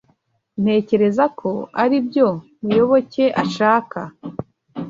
Ntekereza ko aribyo Muyoboke ashaka.